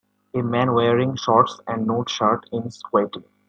A man wearing shorts and no shirt is squatting.